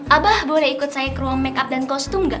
aba boleh ikut saya ke ruang makeup dan kostum nggak